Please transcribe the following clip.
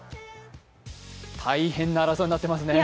大変な争いになってますね。